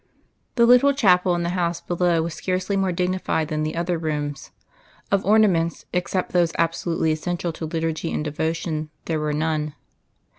III The little chapel in the house below was scarcely more dignified than the other rooms. Of ornaments, except those absolutely essential to liturgy and devotion, there were none.